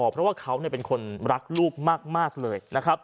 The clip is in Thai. เพราะว่าเขาเนี่ยเป็นคนรักลูกมากเลย